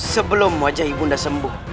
sebelum wajah ibu undamu sembuh